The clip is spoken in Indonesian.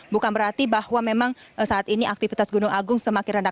bukan berarti bahwa memang saat ini aktivitas gunung agung semakin rendah